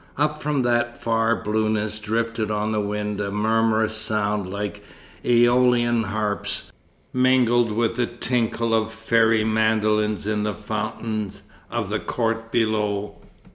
Up from that far blueness drifted on the wind a murmurous sound like Æolian harps, mingled with the tinkle of fairy mandolins in the fountain of the court below.